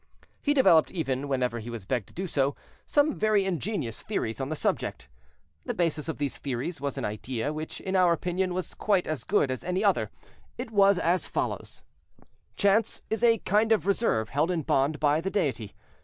He developed, even, whenever he was begged to do so, some very ingenious theories on the subject. The basis of these theories was an idea, which, in our opinion, was quite as good as any other; it was as follows: Chance is a kind of reserve held in bond by the Deity.